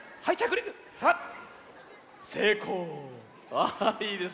ああいいですね。